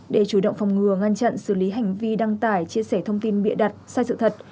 để chủ động phòng ngừa ngăn chặn xử lý hành vi đăng tải chia sẻ thông tin bịa đặt sai sự thật